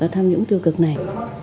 tham nhũng tiêu cực này